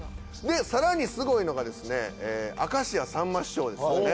更にすごいのがですね明石家さんま師匠ですよね。